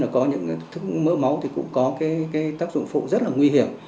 có những thuốc mỡ máu thì cũng có tác dụng phụ rất nguy hiểm